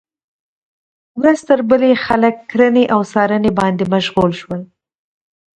ورځ تر بلې خلک کرنې او څارنې باندې مشغول شول.